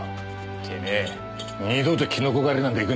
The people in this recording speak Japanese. てめえ二度とキノコ狩りなんか行くんじゃねえぞ。